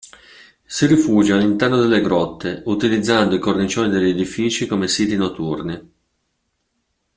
Si rifugia all'interno delle grotte, utilizzando i cornicioni degli edifici come siti notturni.